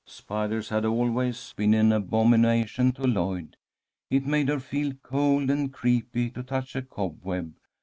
Spiders had always been an abomination to Lloyd. It made her feel cold and creepy to touch a cobweb.